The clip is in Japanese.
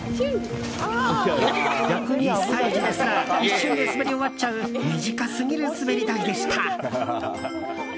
１歳児ですら一瞬で滑り終わっちゃう短すぎる滑り台でした。